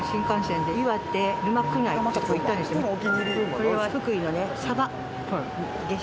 これは福井の。